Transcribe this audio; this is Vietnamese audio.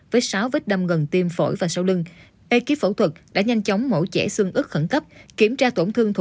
với sáu vết đâm gần tiêm phổi và sau lưng